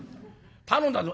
頼んだぞ」。